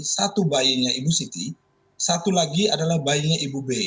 satu bayinya ibu siti satu lagi adalah bayinya ibu b